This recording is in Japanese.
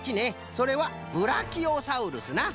それはブラキオサウルスな。